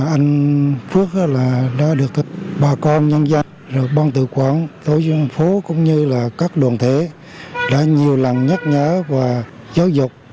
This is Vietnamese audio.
anh phước đã được bà con nhân dân bọn tự quản tổ chức phố cũng như các luận thể đã nhiều lần nhắc nhở và giáo dục